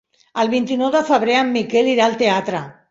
El vint-i-nou de febrer en Miquel irà al teatre.